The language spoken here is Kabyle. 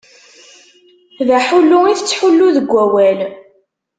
D aḥullu i tettḥullu deg wawal.